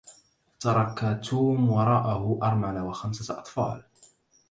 ترك توم ورائه ارملة وخمسة أطفال.